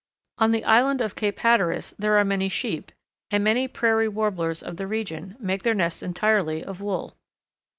On the island of Cape Hatteras there are many sheep, and many Prairie Warblers of the region make their nests entirely of wool.